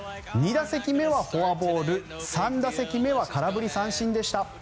２打席目はフォアボール３打席目は空振り三振でした。